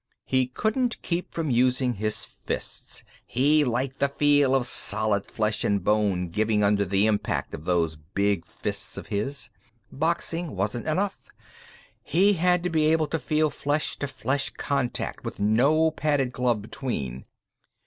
He couldn't keep from using his fists. He liked the feel of solid flesh and bone giving under the impact of those big fists of his. Boxing wasn't enough; he had to be able to feel flesh to flesh contact, with no padded glove between.